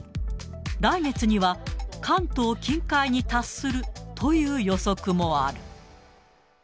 来月には関東近海に達するという予測もある。